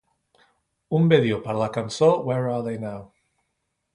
Un vídeo per a la cançó Where Are they Now?